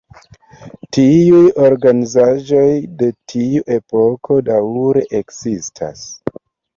Tiuj organizaĵoj de tiu epoko daŭre ekzistas.